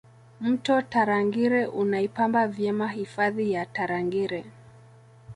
mto tarangire unaipamba vyema hifadhi ya tarangire